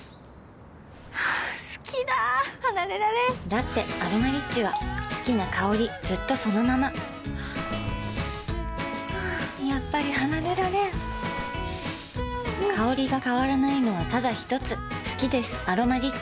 好きだ離れられんだって「アロマリッチ」は好きな香りずっとそのままやっぱり離れられん香りが変わらないのはただひとつ好きです「アロマリッチ」